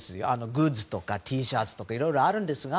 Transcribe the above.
グッズとかＴシャツとかいろいろあるんですが。